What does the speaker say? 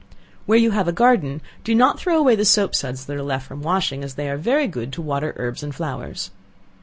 Where you have a garden, do not throw away the soap suds that are left from washing, as they are very good to water herbs and flowers.